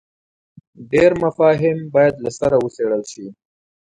ډېر مفاهیم باید له سره وڅېړل شي.